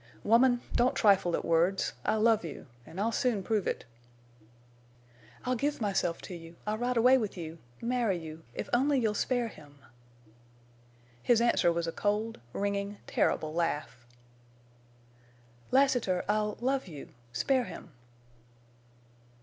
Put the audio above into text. "Woman—don't trifle at words! I love you! An' I'll soon prove it." "I'll give myself to you—I'll ride away with you—marry you, if only you'll spare him?" His answer was a cold, ringing, terrible laugh. "Lassiter—I'll love you. Spare him!"